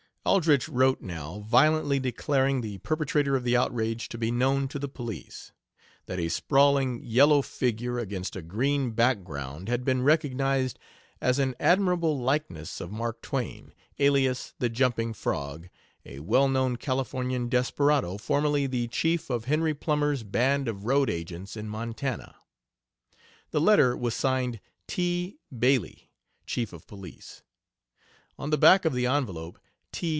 Aldrich wrote, now, violently declaring the perpetrator of the outrage to be known to the police; that a sprawling yellow figure against a green background had been recognized as an admirable likeness of Mark Twain, alias the jumping Frog, a well known Californian desperado, formerly the chief of Henry Plummer's band of road agents in Montana. The letter was signed, "T. Bayleigh, Chief of Police." On the back of the envelope "T.